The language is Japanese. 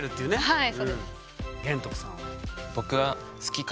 はい。